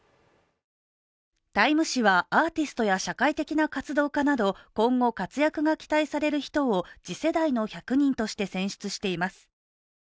「タイム」誌はアーティストや社会的な活動家など、今後活躍が期待される人を「次世代の１００人」として選出しています。